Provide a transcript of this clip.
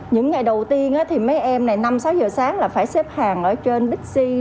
những ngày đầu tiên thì mấy em này năm sáu giờ sáng là phải xếp hàng ở trên bixi